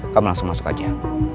kamu langsung masuk aja